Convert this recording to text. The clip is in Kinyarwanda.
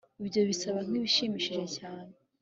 ibyo bisa nkibishimishije cyane